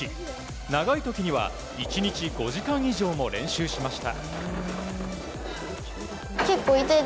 長い時には１日５時間以上も練習しました。